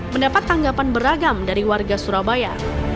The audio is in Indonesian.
mendapat tanggapan beragam dari warga surabaya